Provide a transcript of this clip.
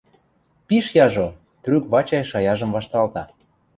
Пиш яжо! — трӱк Вачай шаяжым вашталта.